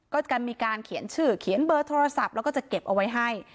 ก็จะมีการเขียนชื่อเขียนเบอร์โทรศัพท์แล้วก็จะเก็บเอาไว้ให้